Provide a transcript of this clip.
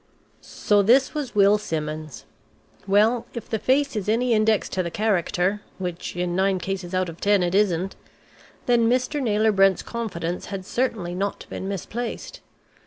So this was Will Simmons. Well, if the face is any index to the character which in nine cases out of ten it isn't then Mr. Naylor Brent's confidence had certainly not been misplaced.